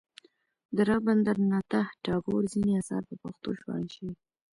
د رابندر ناته ټاګور ځینې اثار په پښتو ژباړل شوي.